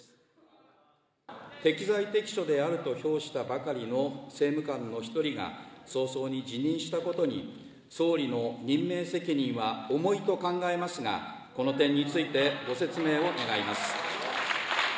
適材適所であると評したばかりの政務官の１人が早々に辞任したことに、総理の任命責任は重いと考えますが、この点についてご説明を願います。